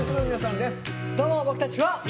どうも僕たちはＭ！